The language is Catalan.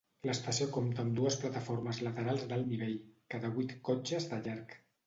L"estació compta amb dues plataformes laterals d'alt nivell, cada vuit cotxes de llarg.